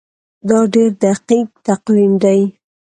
دا ډیر دقیق تقویم دی.